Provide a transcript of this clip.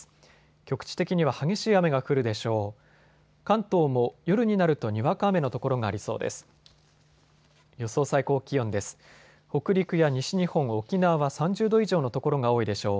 局地的には激しい雨が降るでしょう。